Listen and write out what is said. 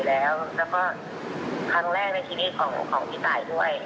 แล้วก็ครั้งแรกในชีวิตของพี่ตายด้วย